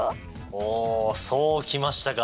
おおそうきましたか。